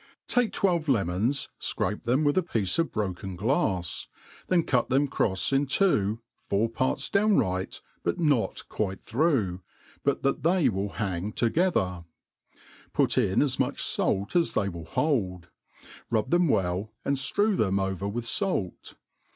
TAKE twelve lemons, fcrape them with a piece of broken glafs ; then cut them crofs in two, four parts downright, but not quite through, but that they will hang together 5 put in as much fait as they will hold, rub them well, and flrew them over with fait..